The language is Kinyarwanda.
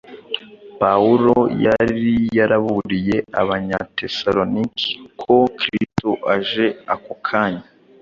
Pawulo yari yaraburiye Abanyatesalonike ko Kristo aje ako kanya.